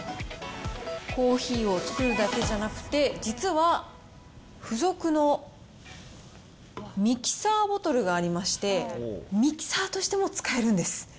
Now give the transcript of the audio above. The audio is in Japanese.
コーヒーを作るだけじゃなくて、実は付属のミキサーボトルがありまして、ミキサーとしても使えるんです。